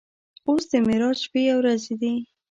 اوس د معراج شپې او ورځې دي.